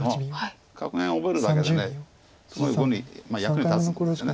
格言を覚えるだけですごい碁に役に立つんですよね。